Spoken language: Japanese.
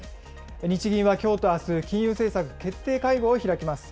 日銀はきょうとあす、金融政策決定会合を開きます。